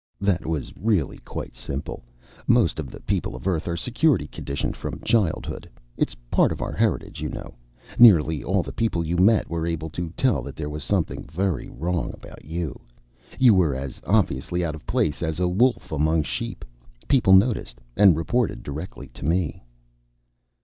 "That was really quite simple. Most of the people of Earth are security conditioned from childhood. It's part of our heritage, you know. Nearly all the people you met were able to tell that there was something very wrong about you. You were as obviously out of place as a wolf among sheep. People noticed, and reported directly to me."